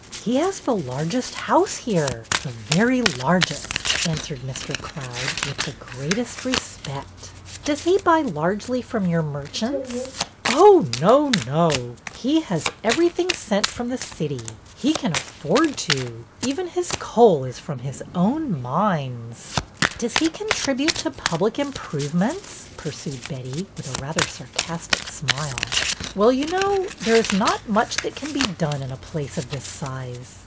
" He has the largest house here, the very largest," answered Mr. Cloud, with the greatest respect. " Does he buy largely from your merchants? "" No, oh, no ! He has everything sent from the 222 BETTY BAIRD'S VENTURES city. He can afford to. Even his coal is from his own mines." '' Does he contribute to public improvements ?" pursued Betty, with a rather sarcastic smile. ''Well, you know, there is not much that can be done in a place of this size.